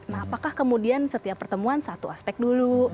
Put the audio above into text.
nah apakah kemudian setiap pertemuan satu aspek dulu